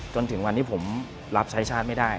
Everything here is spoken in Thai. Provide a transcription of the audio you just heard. จนถึงวันที่ผมรับใช้ชาติไม่ได้